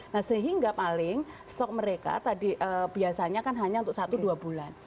nah sehingga paling stok mereka tadi biasanya kan hanya untuk satu dua bulan